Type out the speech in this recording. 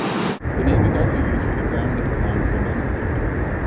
The name was also used for the ground that belonged to a monastery.